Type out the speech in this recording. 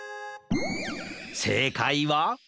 せいかいは？